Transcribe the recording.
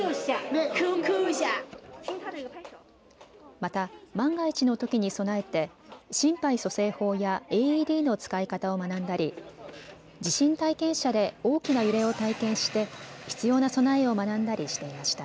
また万が一のときに備えて心肺蘇生法やＡＥＤの使い方を学んだり地震体験車で大きな揺れを体験して必要な備えを学んだりしていました。